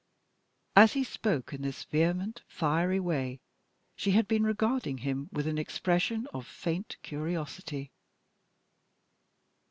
As he spoke in this vehement, fiery way, she had been regarding him with an expression of faint curiosity.